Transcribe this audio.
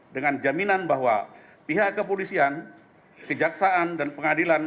dengan jaminan bahwa pihak kepolisian kejaksaan dan pengadilan